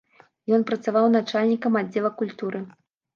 Ён працаваў начальнікам аддзела культуры.